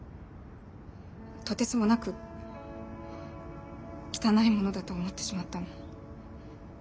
とてつもなく汚いものだと思ってしまったの。